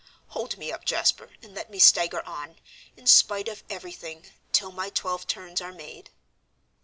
Hold me up, Jasper, and let me stagger on, in spite of everything, till my twelve turns are made."